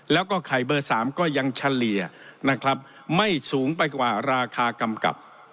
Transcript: แล้วก็ไข่เบอร์๓ก็ยังเฉลี่ยนะครับไม่สูงไปกว่าราคากำกับ